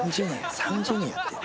３０年やってる。